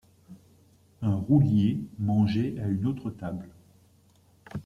Un roulier mangeait à une autre table.